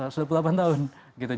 jadi kita harus berbasiskan data gitu ya